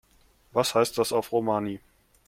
Was heißt das auf Romani?